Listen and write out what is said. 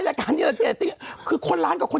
รายการนี้คือคนล้านกว่าคน